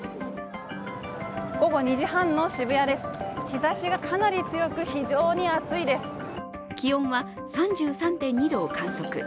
午後２時半の渋谷です、日ざしがかなり強く気温は３３．２度を観測。